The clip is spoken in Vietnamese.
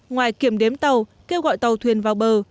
ngoài kiểm đếm tàu kêu gọi tàu thuyền vào bờ